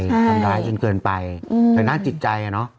ทำร้ายจนเกินไปแต่น่าจิตใจ